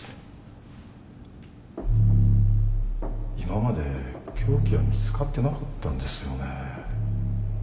今まで凶器は見つかってなかったんですよね。